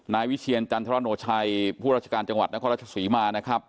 นายวิเชียรจันทรโนชัยผู้ราชการจังหวัดนครราชศรีมานะครับ